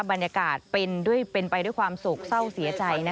บรรยากาศเป็นไปด้วยความโศกเศร้าเสียใจ